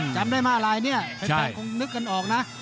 จำได้ไหมอะไรเนี่ยแฟนคงนึกกันออกนะ